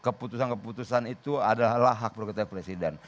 keputusan keputusan itu adalah hak prerogatif presiden